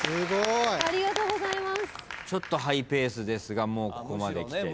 ちょっとハイペースですがもうここまで来て。